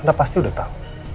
anda pasti udah tau